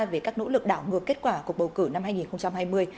về các nỗ lực đảo ngược kết quả cuộc bầu cử năm hai nghìn hai mươi